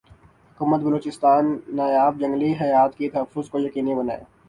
حکومت بلوچستان ان نایاب جنگلی حیات کی تحفظ کو یقینی بنائے